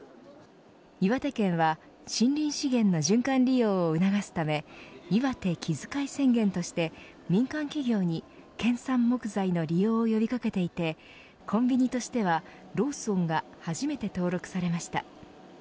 岩手県は森林資源の循環利用を促すためいわて木づかい宣言として民間企業に、県産木材の利用を呼び掛けていてコンビニとしてはローソンが初めて登録されました。